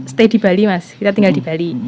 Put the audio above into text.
stay di bali mas kita tinggal di bali